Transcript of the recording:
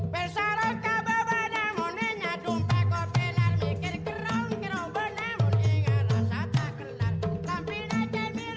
bapak profesor dr ing baharudin yusuf habibi